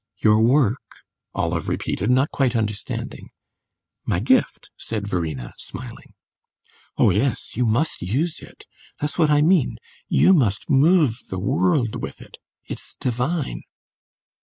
"Your work?" Olive repeated, not quite understanding. "My gift," said Verena, smiling. "Oh yes, you must use it. That's what I mean; you must move the world with it; it's divine."